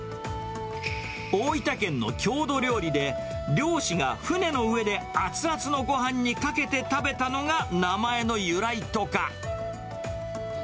大分県の郷土料理で、漁師が船の上で熱々のごはんにかけて食べたのが名前の由来とか。